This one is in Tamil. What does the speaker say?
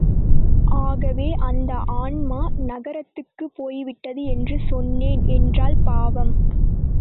ஆகவே, அந்த ஆன்மா நரகத்துக்குப் போய்விட்டது என்று சொன்னேன் என்றாள் பாவம்!